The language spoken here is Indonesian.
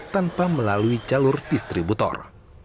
tanpa melalui jalur distributor